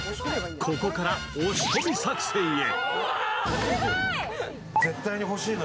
ここから押し込み作戦へ。